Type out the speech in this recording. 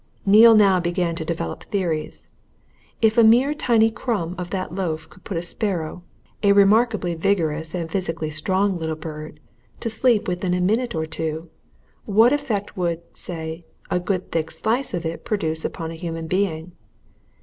Neale now began to develop theories. If a mere tiny crumb of that loaf could put a sparrow, a remarkably vigorous and physically strong little bird to sleep within a minute or two, what effect would, say, a good thick slice of it produce upon a human being?